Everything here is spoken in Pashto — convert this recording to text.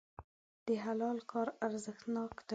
د حلال کار ارزښتناک دی.